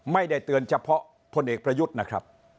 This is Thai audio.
ไม่ได้เตือนเฉพาะพลเอกประยุทธ์นะครับ